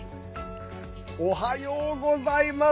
おはようございます！